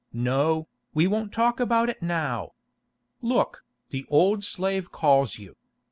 No, we won't talk about it now. Look, the old slave calls you.